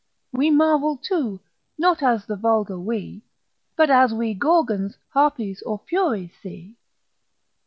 We marvel too, not as the vulgar we, But as we Gorgons, Harpies, or Furies see.